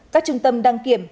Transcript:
các trung tâm đăng kiểm